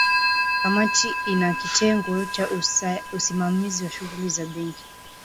kamati ina kitengo cha usimamizi wa shughuli za benki